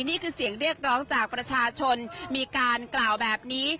นี่คือเสียงเรียกร้องจากประชาชนมีการกล่าวแบบนี้